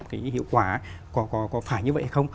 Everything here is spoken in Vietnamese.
cái hiệu quả có phải như vậy hay không